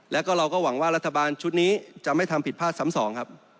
แล้วก็เราก็หวังว่ารัฐบาลชุดนี้จะไม่ทำผิดพลาดซ้ำสองครับ